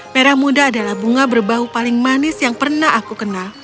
merah muda adalah bunga berbau paling manis yang pernah aku kenal